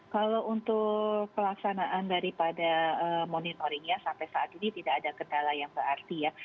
kalau untuk pelaksanaan daripada monitoringnya sampai saat ini tidak ada kendala yang berarti ya